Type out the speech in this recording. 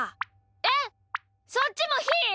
えっそっちもひー？